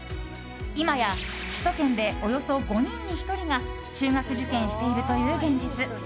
今や、首都圏でおよそ５人に１人が中学受験しているという現実。